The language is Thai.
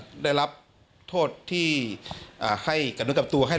จะรับโทษที่ให้กัดเนื้อกับตัว